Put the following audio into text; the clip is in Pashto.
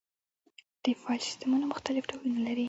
د فایل سیستمونه مختلف ډولونه لري.